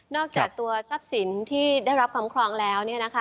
นอกจากตัวทรัพย์สินที่ได้รับความครองแล้ว